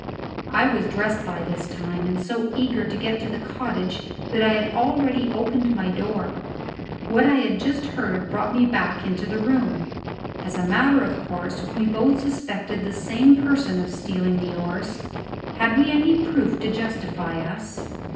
I was dressed by this time, and so eager to get to the cottage, that I had already opened my door. What I had just heard brought me back into the room. As a matter of course, we both suspected the same person of stealing the oars. Had we any proof to justify us?